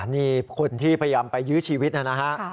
นี่คนที่พยายามไปยื้อชีวิตนะฮะ